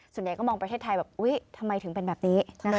ส่วนใหญ่ก็มองประเทศไทยแบบอุ๊ยทำไมถึงเป็นแบบนี้